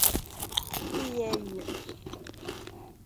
毕业于。